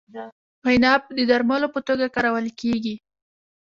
عناب د درملو په توګه کارول کیږي.